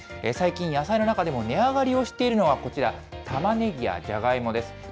最近、野菜の中でも値上がりをしているのはこちら、タマネギやジャガイモです。